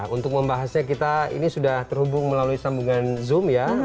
untuk membahasnya kita ini sudah terhubung melalui sambungan zoom ya